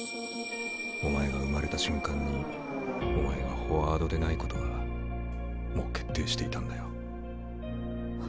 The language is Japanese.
お前が生まれた瞬間にお前がフォワードでないことはもう決定していたんだよ。